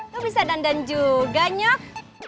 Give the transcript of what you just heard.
lo bisa dandan juga nyok